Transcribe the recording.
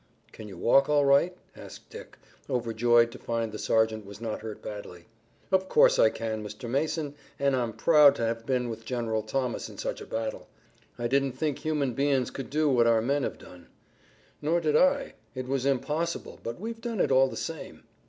"Can you walk all right?" asked Dick, overjoyed to find the sergeant was not hurt badly. "Of course I can, Mr. Mason, an' I'm proud to have been with General Thomas in such a battle. I didn't think human bein's could do what our men have done." "Nor did I. It was impossible, but we've done it all the same."